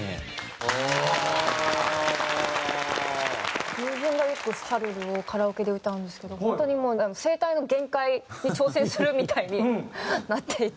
「確かに」友人がよく『シャルル』をカラオケで歌うんですけど本当にもう声帯の限界に挑戦するみたいになっていて。